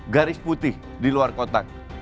garis putih di luar kotak